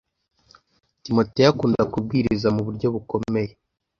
Timoteyo akunda kubwiriza mu buryo bukomeye